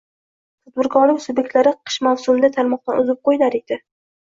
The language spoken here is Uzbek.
Tadbirkorlik subyektlari qish mavsumida tarmoqdan uzib qoʻyilar edi.